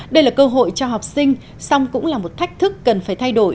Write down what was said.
đây là cơ hội cho học sinh xong cũng là một thách thức cần phải thay đổi